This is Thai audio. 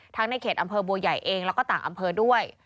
ในเขตอำเภอบัวใหญ่เองแล้วก็ต่างอำเภอด้วย